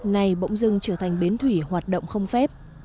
này bỗng dưng trở thành bến thủy hoạt động không phép